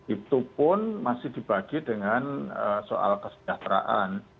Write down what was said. itu pun masih dibagi dengan soal kesejahteraan